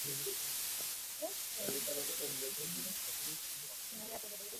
সৈন্যরা সকলেই ছিল অশ্বারোহী।